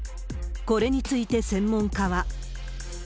これについて専門家は。